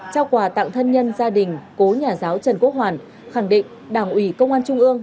trao quà tặng thân nhân gia đình cố nhà giáo trần quốc hoàn khẳng định đảng ủy công an trung ương